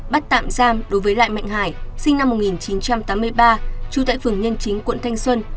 bắt tạm giam đối với lại mạnh hải sinh năm một nghìn chín trăm tám mươi ba trú tại phường nhân chính quận thanh xuân